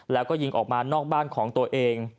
แล้วก็ยิงออกมานอกบ้านของตัวเอง